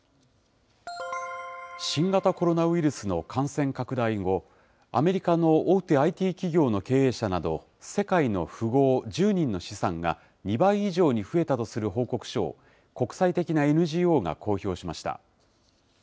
新型コロナウイルスの感染拡大後、アメリカの大手ＩＴ企業の経営者など、世界の富豪１０人の資産が２倍以上に増えたとする報告書を、国際的なＮＧＯが公表しました。